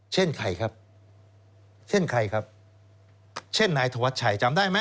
เช่นใครครับเช่นนายทวดชัยจำได้มั้ย